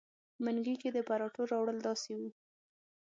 منګي کې د پراټو راوړل داسې وو.